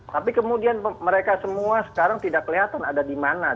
tapi kemudian mereka semua sekarang tidak kelihatan ada di mana